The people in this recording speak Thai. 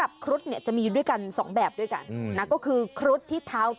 อันนั้นจดหมายส่วนตัว